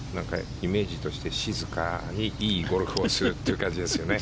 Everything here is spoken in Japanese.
イメージとして静かにいいゴルフをするという感じですよね。